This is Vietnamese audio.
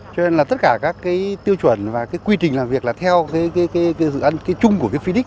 cho nên là tất cả các tiêu chuẩn và quy trình làm việc là theo dự án chung của phoenix